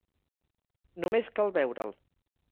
Només cal veure'l.